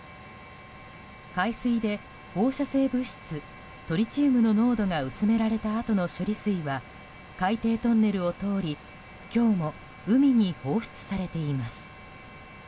海水で放射性物質トリチウムの濃度が薄められたあとの処理水は海底トンネルを通り今日も海に放出されています。